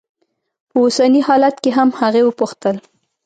په اوسني حالت کې هم؟ هغې وپوښتل.